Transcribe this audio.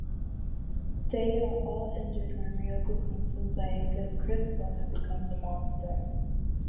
They are all injured when Ryoko consumes Ayeka's crystal and becomes a monster.